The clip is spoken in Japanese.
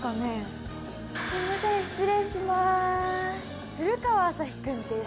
すいません失礼します。